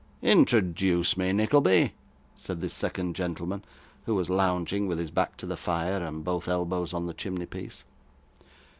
'Introduce me, Nickleby,' said this second gentleman, who was lounging with his back to the fire, and both elbows on the chimneypiece.